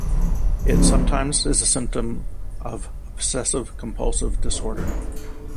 It sometimes is a symptom of Obsessive compulsive disorder.